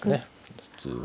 普通は。